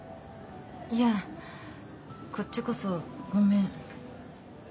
いやこっちこそごめん。